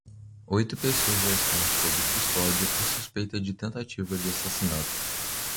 Oito pessoas já estão sob custódia por suspeita de tentativa de assassinato.